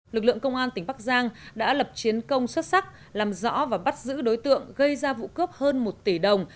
lực lượng công an tỉnh bắc giang đã lập chiến công xuất sắc làm rõ và bắt giữ đối tượng gây ra vụ cướp hơn một tỷ đồng